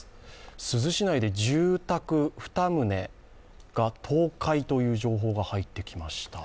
珠洲市内で住宅２棟が倒壊という情報が入ってきました。